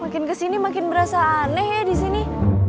makin kesini makin berasa aneh ya disini